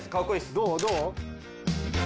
どう？